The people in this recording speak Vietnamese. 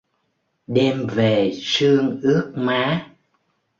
Đêm về sương ướt má